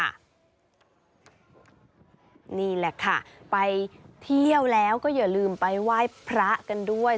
นี่แหละค่ะไปเที่ยวแล้วก็อย่าลืมไปไหว้พระกันด้วย